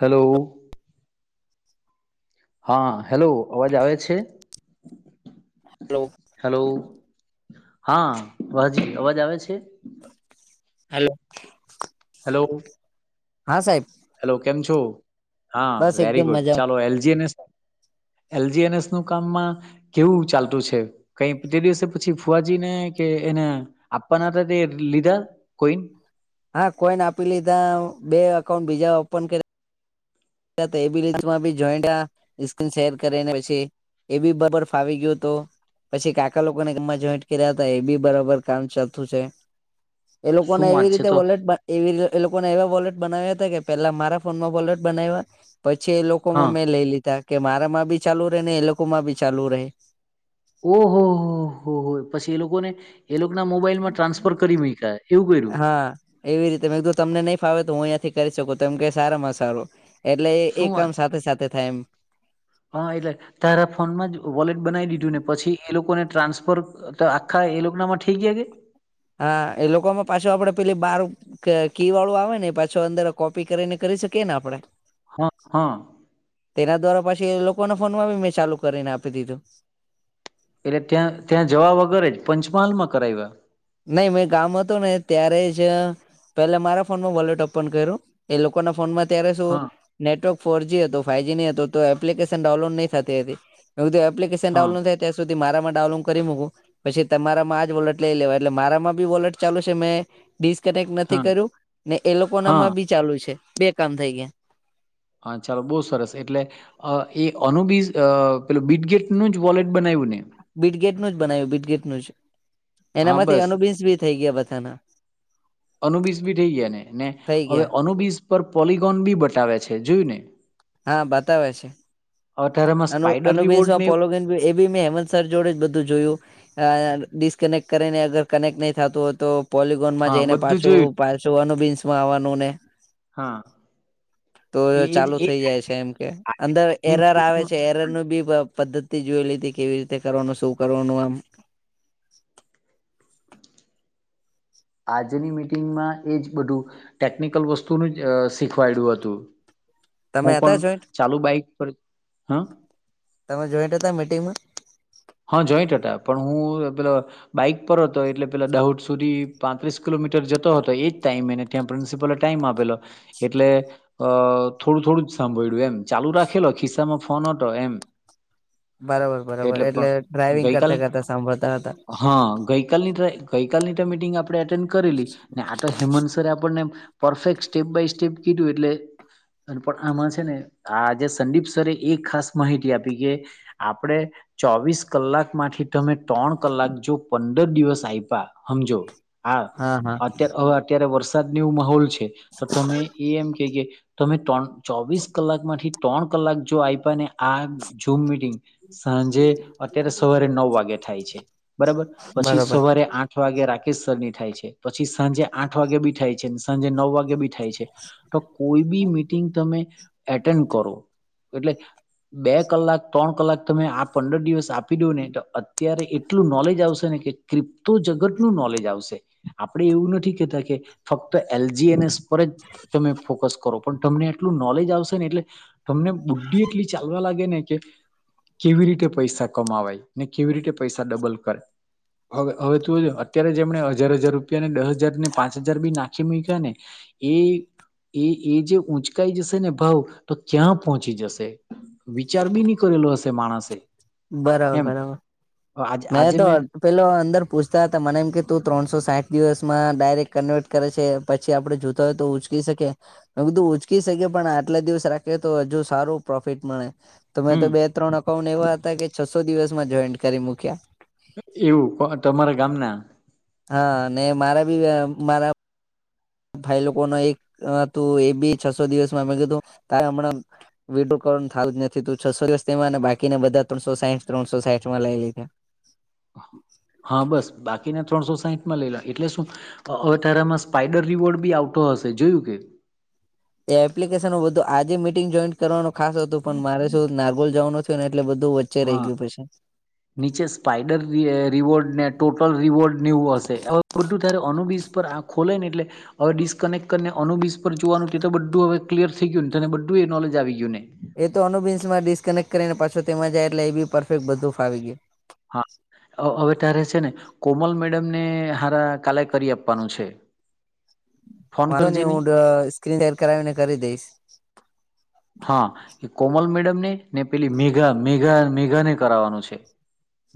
Hello હા, hello અવાજ આવે છે? હલો હેલો હા, અવાજ -અવાજ આવે છે? હલો હેલો હા સાહેબ હેલો કેમ છો? હા, બસ વેરી એકદમ ગુડ મજા ચાલો એલજી અને એલજી એનએસ નું કામમાં કેવું ચાલતું છે? કઈ બીજે દિવસે પછી ફુવાજીને કે એને આપવાના હતા તે લીધા કોઈ? હા કોઈને આપી લીધા બે અકાઉન્ટ બીજા ઓપન કર્યા [unintelligible] એવી રીત ના ભી જોયડા ઈસ્ક્રીન શેર કરીને પછી એ બી બરબર ફાવી ગયો તો? પછી કાકા લોકોને એમાં જોઈન્ટ કર્યા હતા એ બી બરાબર કામ ચાતું છે. એ લોકોને શું વાત એવી છે રીતે તો વોલેટબ એવી લ્યો એ લોકોને એવા વોલેટ બનાવ્યા હતા કે પેલા મારા ફોનમાં વોલેટ બનાવ્યા પછી એ હા લોકોમાં મેં લઈ લીધા કે મારા માં બી ચાલુ રે ને એ લોકો માં બી ચાલુ રેય. ઓહ! હો, હો, હો! પછી એ લોકોને? એ લોકો ના મોબાઈલમાં ટ્રાન્સફર કરી મહી કા એવું કર્યું હા એવી રીતે મેં તમને નહીં ફાવે તો હું અહીંથી કરી શકું ત કે સારામાં સારું. એટલે એ શું વાત કામ સાથે, સાથે થાય એમ હા એટલે તારા ફોનમાં જ વોલેટ બનાવી દીધું ને પછી એ લોકો ને ટ્રાન્સફર તો આખ્યા એ લોક નામાં ઠી છે કે હા એ લોકોમાં પાછું આપડે પેલી બાર કે કી વાળું આવે ને પાછો અંદર કોપી કરીને કરી શકીએ ને આપડે. હા, હા તેના દ્વારા પછી એ લોકોને ફોનમાં મે ચાલુ કરીને આપી દીધું. એટલે ત્યાં ત્યાં જવા વગર જ પંચમહાલ માં કરાવ્યા નઈ મેં ગામ હતું ને ત્યારે જ પેલા મારા ફોનમાં વોલેટ ઓપન કર્યું એ લોકોના ફોનમાં અ્યારે શું હા નેટવર્ક ફોર જ હતો ફ હતો તો એપ્લિકેશન ડાઉડ ન થતી હતી એપ્શન હા ડઉડ થ અ્યાં સુધી મારામાં ડાઉનલોંગ કરી મકું પછી તમારા માં આજ બોટ લઈ લેવા એટલે મારામાં બી વોલેટ ચાલુ છે મેં ડિસકનેક્ટ નથી હા કર્યું ને એ હા લોકોનામાં બી ચાલુ છે બે કામ થઈ ગયા હા ચાલો બહુ સરસ એટલે અ એ અનુબી પે બિટગેટનું જ વોલેટ બનાવ્યું ને બિટગેટ ન જ બનાવ્યું બીટગેટ નું જ હા એનામાંથી બસ અનુબિન્સ ભી થઈ ગયા બધાના અનુબીસ બી થઈ ગયા ને ને થઈ હવે ગયા અનુબીસ પર પોલગોન બી બટવે છે જોયું ને હા બતાવે છે હ અત્યારે અ અનુ પોલોન એ મે હેમંત સર જોડે જ બધું જોયું અ ડિસકનેક્ટ કરીને અગર કનેક્ટ નહી થતું હોય તો પોલિકોન માં હા જઈ ને બધું પાછું જોયું પાછું બીન્સમાં આવવાનું ને હા તો એ એજ ચાલુ એ થઇ જાય છે આજે- એમ કે અંદર આજની એરર આવે છે એરર મીટિંગમાં બી પદ્ધતિ જોયલી હતી કેવી રીતે કરવાનું શું કરવાનું આમ આજની મિટિંગમાં એ જ બધું ટેકનિકલ વસ્તુનું જ શીખવાડ્યું હતું તમે હું પણ હતા જોઈન્ટ ચાલુ બાઈક પર હ તમે જોઈન્ટ હતા મીટિંગમાં હા જોઈન્ટ હતો પણ હું પેલો બાઈક પર હતો એટલે પેલા દાહોદ સુધી પાંત્રીસ કિલોમીટર જતો હતો એજ ટાઈમ એને ત્યાં પ્રિન્સિપલે ટાઈમ આપેલો એટલે અ થોડું થોડું જ સાંભળ્યું એમ ચાલુ રાખેલો ખિસ્સામાં ફોન હતો એમ બરોબર બરોબર એટલે ડ્રાઈવિંગ ગઈકાલ કરતા કરતા સાંભળતા હતા હા ગઈકાલની ગઈકાલની મીટિંગ આપણે એટેન્ડ કરેલી ને આ તો હેમંત સરે આપણને પરફેક્ટ સ્ટેપ બાય સ્ટેપ કીધું એટલે અને પણ આમાં છે ને આજે સંદીપ સરે એક ખાસ માહિતી આપી કે આપડે ચોવીસ કલાક માંથી તમે ત્રણ કલાક જો પંદર દિવસ આપ્યા સમજો હા અત્યારે હવે અત્યારે વરસાદ નો એવો માહોલ છે તો તમે એ એમ કે કે તમે ત્રણ ચોવીસ કલાક માંથી ત્રણ કલાક જો આપ્યા ને આ જૂમ મિટિંગ સાંજે અત્યારે સવારે નવ વાગે થાય છે બરાબર પછી બરોબર સવારે આઠ વાગે રાકેશ સર ની થાય છે પછી સાંજે આઠ વાગે બી થાય છે સાંજે નવ વાગે બી થાય છે તો કોઈ બી મિટિંગ તમે એટેન્ડ કરો એટલે બે કલાક ત્રણ કલાક તમે આ પંદર દિવસ સ્પી દું ને તો અત્યારે એટલું નોલેજ આવશે ને કે ક્રિપ્તો જગત નું નોલેજ આવશે આપણેે એવું નથી કેહેતા કે ફક્ત એલજી એનએસ પર જ તમે ફોકસ કરો પણ તમને એટલું નોલેજ આવશે ને એટલે તમને બુદ્ધિ એટલી ચાલવા લાગે ને કે કેવી રીતે પૈસા કમાવાય ને કેવી રીતે પૈસા ડબલ કરે હવે હવે ત અત્યારે જે એમણે હજાર હજાર રૂપિયા ને દસ હજાર ને પાંચ હજાર બી નાખી મૂક્યા ને એ એ એ જે ઊંચકાઈ જશે ને ભાવ તો ક્યાં પહોંચી જશે વિચાર બી ન કરેલો હશે માણસે બરાબર એમ બરાબર આજ મે આજે તો મેં પેલો અંદર પૂછતા હતા મને એમ કે તું ત્રણસો સાઠ દિવસ માં ડાયરેક્ટ કન્વર્ટ કરે છે પછી આપણેે જોતા હોય તો ઉચકી શકીએ બધું ઉચકી શકે પણ આટલા દિવસ રાખીએ તો હજુ સારું પ્રોફિટ મળે તોમે હમ તો બે ત્રણ અકાઉન્ટ એવા હતા કે છસો દિવસમાં જોઈન્ટ કરી મૂક્યા એવું અતમારા ગામ ના હા મારા બી મારા ભાઈ લોકો નો એક તું એ બી છસો દિવસમાં મે કીધું તારે હમણાં વિડ્રો કો થયું જ નથી તું છસો દિવસ માં અને બાકીને બધા ત્રસો સાઠ ત્રણસો સાહીઠ માં લઈ લીધા હા બસ બાકીને ત્રણસો સાહીઠ માં લઈ લે એટલે શું હવે ત્યારે એમાં સ્પાઈડર રિવોર્ડ બી આવતો હશે જોયું કે એ એપ્લિકેશન બધું આજે મિટિંગ જોઈન કરવાનું ખાસ હતું પણ મારે શું નાગોલ જવાનું ને એટલે બધું રય હા ગયું પછી નીચે સ્પાઈડર રીએ રિવોર્ડ ને ટોટલ રિવોર્ડ નેવું હશે બધું તારે અનુબીજ પર આ ખોલાય ને એટલે હવે ડિસકનેક્ટ કરીને અનુબીસ પર જોવાનું તો બધું હવે ક્લિયર થઈ ગયું તેને બધું એ નોલેજ આવી ગયું ને એ તો અનુબીન્સમાં ડિસ્કનેક્ટ કરી ને પાછો તેમાં જાય એટલે એ બી પરફેક્ટ બધું ફાવી ગયે હા હવે ત્યારે છે ને કોમલ મેડમને હારા કાલે કરી આપવાનું છે ફોન મારાને કરજે [unintelligible] ની હું સ્ક્રીન ત કરાવીને કરી દઈશ હા એ કોમલ મેડમને ને પેલી મેઘા મેઘા મેઘાને કરાવાનું છે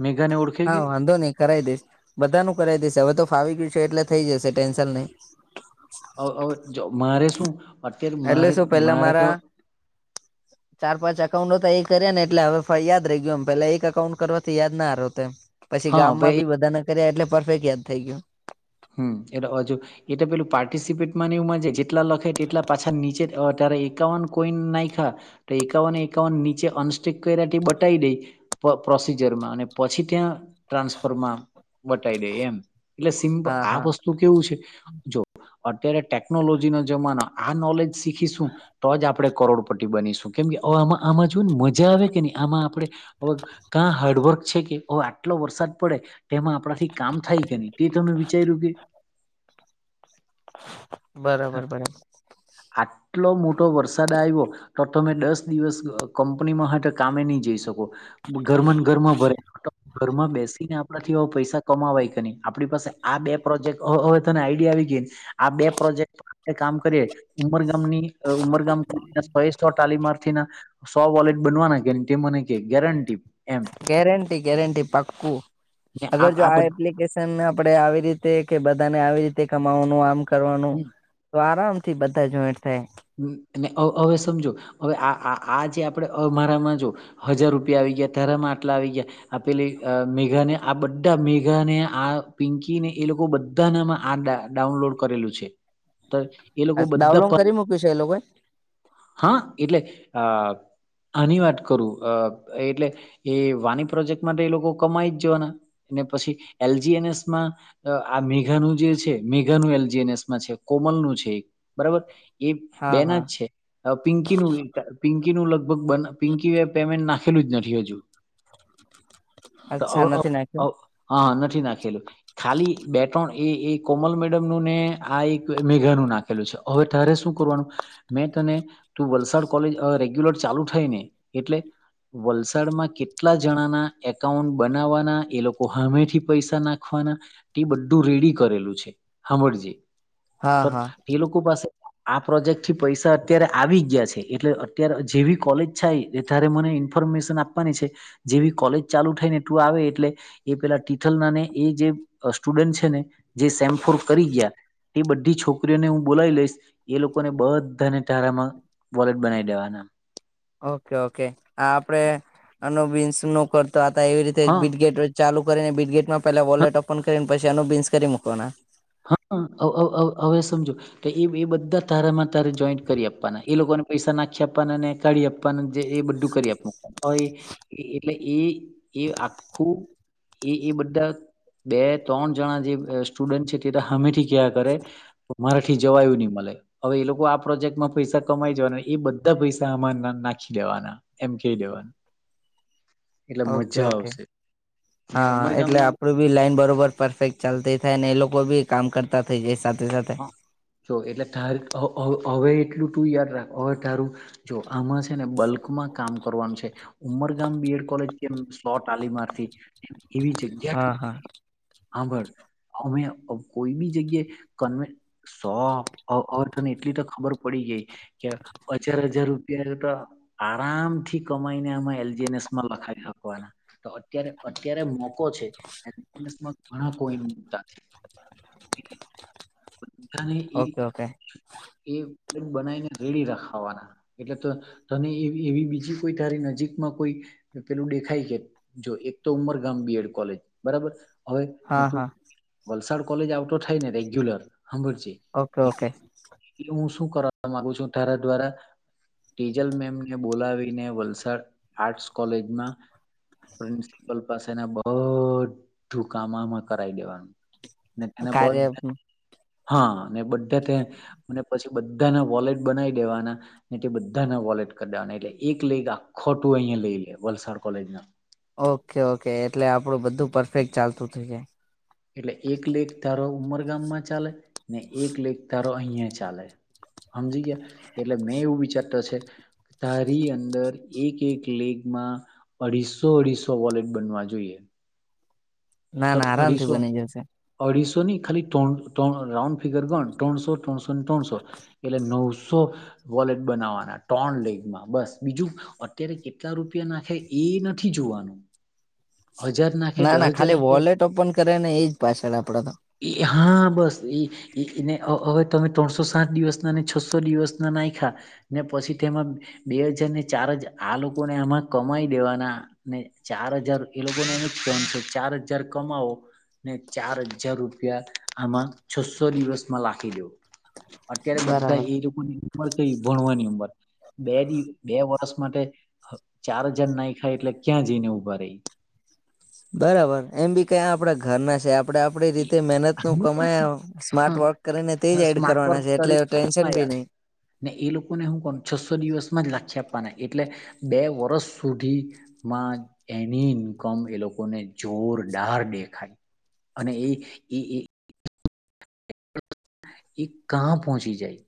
મેઘા ને ઓડ હા વાંધો નહી કરાઈ દઈશ બધા નું કરાઈ દઈશ હવે તો ફાવી ગયું છે એટલે થઈ જશે ટેન્શન નહી અ અ ચો મારે શું અત્યારે એટલે મારે શું પેલા મારે તો મારા ચાર પાંચ એકાઉન્ટો તો એ કર્યા ને એટલે હવે યાદ રહી ગયું એમ પેલા એકકાઉન્ટ કરવાથી યાદ ના રહ્યો તે એમ પછી હા હવે ગામમાં બી બધા ના કર્યા એટલે પરફેક્ટ યાદ થઈ ગયું હમ એટલે હજુ એ તો પેલું પાર્ટિસિપેટમાંને એ માં જ જેટલા લખે તેટલા પાછા નીચે ત્યારે એકાવન કોઈન નાયખા તો એકાવન એકાવન નીચે અનસ્ટીક કર્યાથી બટાઇ દઈ પ પ્રોસીજરમાં અને પછી ત્યાં ટ્રાન્સફરમાં બટાઈ દય એમ એટલે સિમ્પ હા આ હા વસ્તુ કેવું છે જો અત્યારે ટેકનોલોજી ના જમાના આ નોલેજ શીખીશું તો જ આપણે કરોડપટ્ટી બનીશું કેમ કેવે આમાં આમાં જોયું ને મજા આવે કે નહી આમાં આપણે હવે કા હાર્ડવર્ક છે કે હવે આટલો વરસાદ પડે તેમાં આપણાથી કામ થાય કે નહી તે ત [unintelligible] બરાબર બરાબર આટલો મોટો વરસાદ આયવો તો તમે દસ દિવસ કંપનીમાં હોય તો કામે નહી જઈ શકો ઘરમાં ને ઘરમાં ભરે ઘરમાં બેસી ને આપણા થી પૈસા કમાવાય કે નહી આપણી પાસે આ બે પ્રોજેક્ટ અ અ તને આઈડિયા આવી ગયાને આ બે પ્રોજેક્ટ આપણે કામ કરીએ ઉમરગામની ઉમરગામ સો સો તાલીમાર્થીના સો વોલેટ બનવાના કે તે મને કે ગેરંટી એમ ગેરંટી ગેરંટી પાક્કું અગર જો આ એપ્લિકેશન કેસન આપડે આવી રીતે કે બધાને આવી રીતે કમાવાનું આમ કરવાનું તો આરામથી બધા જોઈન્ટ થાય ને હવ હવે સમજો હવે આ આ જે આપણેમારામાં જો હજાર રૂપિયા આવી ગયા તારમાં આટલા આવી ગયા આપેલી મેઘા ને આ બધા મેઘા ને આ પિંકી ને એ લોકો બધામાં આ આ ડાઉનલોડ કરેલું છે એ લોકો ડઉનલોંગ બધા કરી મૂક્યું છે એ લોકોએ હા એટલે અ આની વાત કરું અ એટલે એ વાની પ્રોજેક્ટમાં તો એ લોકો કમાઈ જ જવાના એ પછી એલજી એનએસ માં અ આ મેઘાનું જે છે મેઘાનું એલજીએનસમાં છે કોમલ નું છે બરોબર એ હા બેના હા જ છે પિંકીનું પિંકી નું લગભગ બ પિંકી પેમેન્ટ નાખેલું જ નથી હજુ તો અચ્છા અવ નથી નાખ્યું અવ હ નથી નાખેલું ખાલી બે ત્રણ એ એ કોમલ મેડમ નું ને આ એક મેઘા નું નાખ ખેલુ છે હવે તારે શું કરવાનું મે તને તું વલસાડ કોલેજ અ રેગ્યુલર ચાલુ થાય ને એટલે વલસાડમાં કેટલા જણાના એકાઉન્ટ બનાવવાના એ લોકો હમેથી પૈસા નાખવાના તે બધું રેડી કરેલું છે હામળજે હા તો હા એ લોકો પાસે આ પ્રોજેક્ટ થી પૈસા અત્યારે આવી ગયા છે એટલે અત્યારે જેવી કોલેજ થાય એ ત્યારે મને ઇન્ફોર્મેશન આપવાની છે જે બી કોલેજ ચાલુ થાય ને તું આવે એટલે એ પેલા તીથલ નાને એ જે સ્ટુડન્ટ છે ને જે સેમફોર કરી ગયા એ બધી છોકરીઓને હું બોલાવી લઈશ એ લોકોને બધાને તારામાં વોલેટ બનાવી દેવાના ઓકે ઓકે આ આપડે અનો બીનશ નો કરતો આ એવી રીતે હા બીટગેટ ચાલુ કરીને બિટગેટમાં પેલા વોલેટ ઓપન કરીને પછીનું બીન્સ કરી મૂકવાના હા હવે સમજો તો એ બધા તારામાં તારે જોઈન્ટ કરી આપવાના એ લોકોને પૈસા નાખી આપવાના ને કાઢી આપવા એ બધું કરી આપું એટલે એ એ આખું એ એ બધા બે ત્રણ જણા જે સ્ટુડન્ટ છે તે હમેથી કં કરે તો મરાઠી જવાયું નહી મલે હવે એ લોકો આ પ્રોજેક્ટમાં પૈસા કમાઈ જવાના એ બધા પૈસા આમાં નાખી દેવાના એમ કહી દેવાનું એટલે ઓકે મજા ઓકે આવશે હા એટલે ઉમરગામમાં આપડું બી લાઈન બરોબર પરફેક્ટ ચાલતી થાય અને એ લોકો બી કામ કરતા થાય જે સાથે સાથે હા જો એટલે ત હવે એટલું તું યાદ રાખ હવે તારું જો આમાં છે ને બલ્ક માં કામ કરવાનું છે ઉમરગામ બીએડ કોલેજમ સ્લોટ આલી મારથી એવી હા જગ્યા હા આભર અમે કોઈ બી જગ્યાએ સો તને એટલી તો ખબર પડી ગઈ કે હજાર હજાર આરામ થી કમાઈને આમાં એલજીએનએસમાં લખાઈ રાખવાના તો અત્યારે અત્યારે મો ઘણા કોઈ બધાને ઓકે ઓકે એ બનાવીને રેડી રાખાવાના એટલે તો તને એવી બીજી કોઈ તારી નજીકમાં કોઈ પેલું દેખાય કે જો એક તો ઉમરગામ બીએડ કોલેજ બરાબર હવે ને હા તું હા વલસાડ કોલેજ આવતો થાય ને રેગ્યુલર સાંભળજી ઓકે ઓકે હું શું કરવા મામાંગુ છું તારા દ્વારા ટીજલ મેમને બોલાવીને વલસાડ આર્ટસ કોલેજમાં પ્રિન્સિપલ પાસેને બધું કામમાં કરાઈ દેવાનું ને તેને કાર્ય બધું હા અને બધા પછી બધાના વોલેટ બનાવી દેવાના ને તે બધાના વોલેટ કઢાવવા એટલે એક લઈ આખોટું અહિયાયા લઈ લે વલસાડ કોલેજ ના ઓકે ઓકે એટલે આપણું બધું પરફેક્ટ ચાલતું થઈ જાય એટલે એક લેખ તારો ઉમરગામમાં ચાલે ને એક લેખ ધારો અહિયાં ચાલે સમજી ગયા એટલે મેં એવું વિચારતો છે કે તારી અંદર એક એક લેગમાં અઢીસો અઢીસો વોલેટ બનવા જોઈએ ના તટ ના આરામથી અઢીસો બની જશે અઢીસો ની ખાલી રાઉન્ડ ફિગર કોણ ત્રણસો ત્રણસો ને ત્રણસો એટલે નવસો વોલેટ બનાવવાના ટોન લેગમાં બસ બીજું અત્યારે કેટલા રૂપિયા નાખે એ નથી જોવાનું હજાર નાખે ના ના દસ હજાર ખાલી નાખે વોલેટ ઓપન કરે ને એજ પાછળ આપડે તો એ હા બસ એ એને હવે તમે ત્રણસો સાત દિવસના અનેન છસો દિવસ ના નાખખા ને પછી તેમાં બે હજાર ને ચાર હજાર આ લોકોને આમાં કમાઈ દેવાના ને ચાર હજાર એ લોકોને એમુ ફેન છે ચાર હજાર કમાવો ને ચાર હજાર રૂપિયા આમાં છસો દિવસમાં લખી દેવ અત્યારે બધા બરાબર. એ લોકોની ઉંર ક ભણવાની ઉંમર બે દિવ બે વર્ષ માટે ચાર હજાર ના ખાય એટલે ક્યાં જઈને ઉઊભા રહી બરાબર એમ બી કયા આપડા ઘરના છે આપડે આપડી રીતે મહેનત નું કમાયા સ્માર્ટ હા વોક કરીને તે જ એડ સ્માર્ટ વર્ક કરવાના છે એટલે કરી ટેન્શન કમાયા બી નહી ને એ લોકોને હું કોણ છસો દિવસમાં જ લાખી આપવાના એટલે બે વર્ષ સુધી માં એની ઇન્કમ એ લોકો ને જોરદાર દેખાય અને એ એ એ એ કં પહોંચી જાય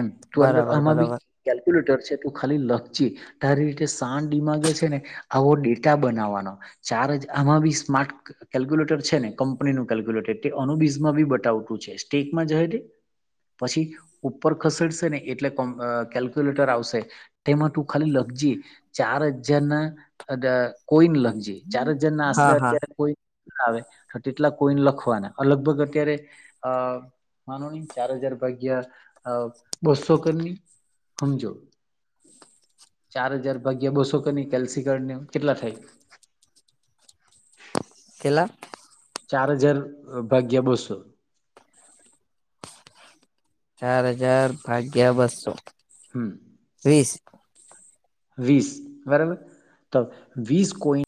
એમ તો અંદર બરાબર આમાં બી બરાબર. કેલ્ક્યુલેટર છે એલું ખાલી લખચ તારી રીતે શાન દિમાગે છે ને આવો ડેટા બનાવવાનો ચારજ આમાં બી સ્માર્ટ કેલ્ક્યુલેટર છે ને કંપનીનું કેલ્ક્યુલેટર તે અનુબીઝમાં બી બટાવટું છે સ્ટેકમાં જહે ને પછી ઉપર ખસેડશે ને એટલે કમ કેલ્ક્યુલેટર આવશે તેમાં તું ખાલી લખ જ ચાર હજાર ના કોઈને લખજ જે ચાર જણ ના આશરે હા હા અત્યારે કોઈ આવે તો તેટલા કોઈને લખવાના લગભગ અત્યારે અ માનો નહી ચાર હજાર ભાગ્યા બસો કરની સમજો ચાર હજાર ભાગ્યા બસો કરની કેલ્સીક ને કેટલા થાય કેલા ચાર હજાર ભાગ્યા બસો ચાર હજાર ભાગ્યા બસો હમ્મ ત્રીસ વીસ બરાબર તો વીસ કોઈન્ટ